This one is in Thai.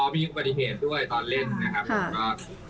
มีอุบัติเหตุด้วยตอนเล่นนะครับผมก็